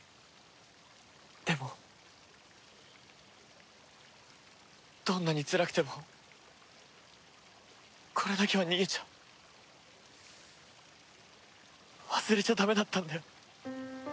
でもどんなにつらくてもこれだけは逃げちゃ忘れちゃダメだったんだよ。